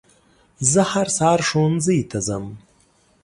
زه هر سهار ښوونځي ته ځم